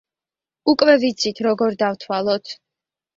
უკვე ვიცით, როგორ დავთვალოთ.